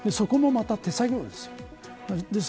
そこもまた手作業です。